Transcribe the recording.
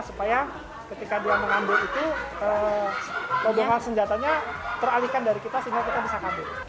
supaya ketika dia mengambil itu robongan senjatanya teralihkan dari kita sehingga kita bisa kabur